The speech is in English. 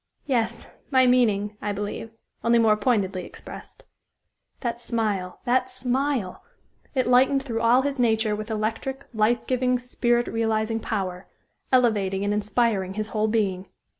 "Yes; my meaning, I believe, only more pointedly expressed." That smile that smile! It lightened through all his nature with electric, life giving, spirit realizing power, elevating and inspiring his whole being.